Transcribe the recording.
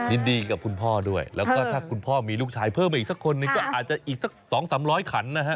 ยินดีกับคุณพ่อด้วยแล้วก็ถ้าคุณพ่อมีลูกชายเพิ่มไปอีกสักคนหนึ่งก็อาจจะอีกสัก๒๓๐๐ขันนะฮะ